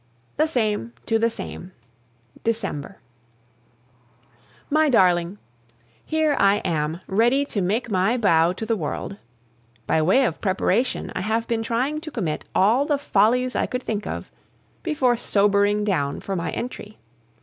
THE SAME TO THE SAME December. My Darling, Here I am ready to make my bow to the world. By way of preparation I have been trying to commit all the follies I could think of before sobering down for my entry.